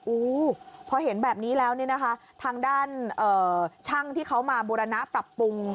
อู้พอเห็นแบบนี้แล้วเนี่ยนะคะทางด้านช่างที่เขามาบูรณะปรับปรุง